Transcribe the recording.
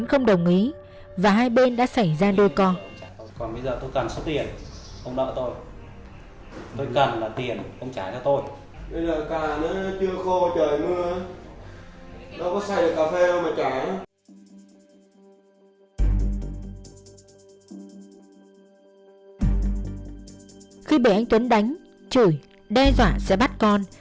khi bị anh tuấn đánh chửi đe dọa sẽ bắt con